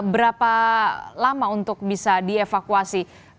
berapa lama untuk bisa dievakuasi